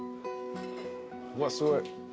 うわっすごい。